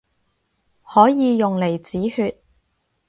可以用嚟止血